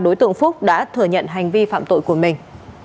đối tượng phúc đã thừa nhận hành vi phạm tội của mình